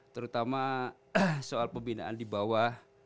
terutama soal pembinaan di bawah